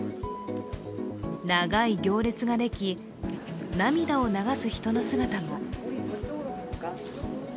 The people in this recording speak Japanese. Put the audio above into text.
長い行列ができ、涙を流す人の姿も。